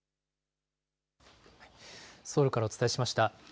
ソウルからお伝えしました。